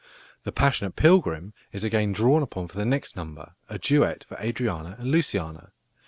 The Passionate Pilgrim is again drawn upon for the next number, a duet for Adriana and Luciana.